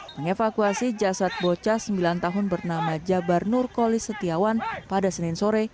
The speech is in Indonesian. mengevakuasi jasad bocah sembilan tahun bernama jabar nurkolis setiawan pada senin sore